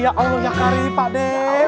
ya allah ya kasih pak deh